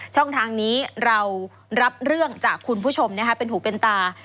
ช่องทางนี้เรารับเรื่องจากคุณผู้ชมเป็นหูเป็นตา